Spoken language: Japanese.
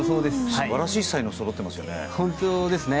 素晴らしい才能がそろってますね。